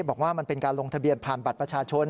บอกว่ามันเป็นการลงทะเบียนผ่านบัตรประชาชน